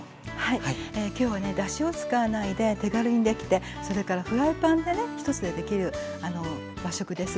きょうはねだしを使わないで手軽にできてそれからフライパンでね１つでできる和食です。